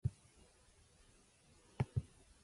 Residents organised to direct traffic and collect refuse.